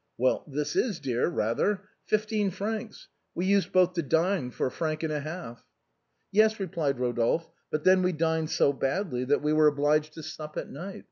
" Well, this is dear, rather ! Fifteen francs ! We used both to dine for a franc and a half." " Yes," replied Eodolphe, " but then we dined so badly that we were obliged to sup at night.